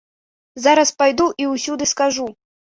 Зараз пайду і ўсюды скажу.